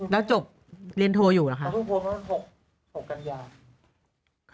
แล้วจบเรียนโทรอยู่หรือคะ